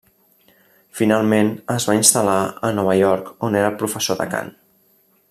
Finalment es va instal·lar a Nova York on era professor de cant.